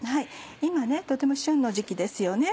今とても旬の時期ですよね。